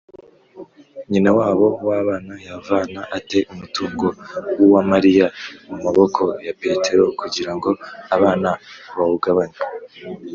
nyinawabo w’abana yavana ate umutungo w’uwamariya mu maboko ya petero kugira ngo abana bawugabane?